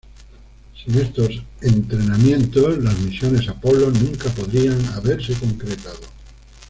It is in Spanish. Sin estos entrenamientos las misiones Apolo nunca podrían haberse concretado.